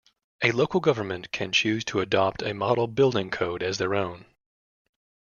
A local government can choose to adopt a model building code as their own.